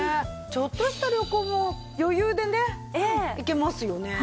ちょっとした旅行も余裕でね行けますよね。